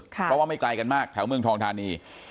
เพราะว่าไม่ไกลกันมากแถวเมืองทองทานี